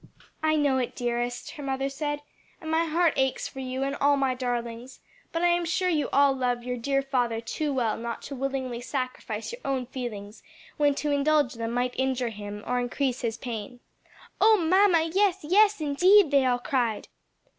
"I know it, dearest," her mother said, "and my heart aches for you and all my darlings; but I am sure you all love your dear father too well not to willingly sacrifice your own feelings when to indulge them might injure him or increase his pain." "O mamma, yes, yes indeed!" they all cried.